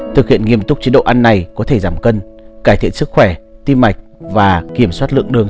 thực hiện nghiêm túc chế độ ăn này có thể giảm cân cải thiện sức khỏe tim mạch và kiểm soát lượng đường